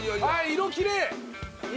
色きれい！